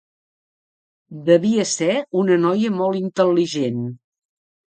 Devia ser una noia molt intel·ligent.